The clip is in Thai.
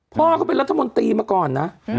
พ่อเขาเป็นรัฐมนตรีมาก่อนนะ